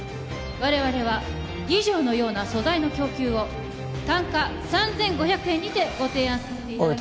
我々は以上のような素材の供給を単価３５００円にてご提案させていただきたいと思います